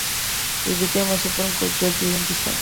He became a supreme court judge during this time.